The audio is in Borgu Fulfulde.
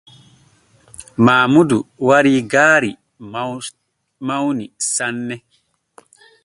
Maamudu wari gaari mawni sanne.